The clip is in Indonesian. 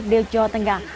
banjir di jawa tengah